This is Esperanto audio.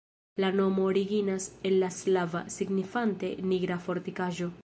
La nomo originas el la slava, signifante nigra fortikaĵo.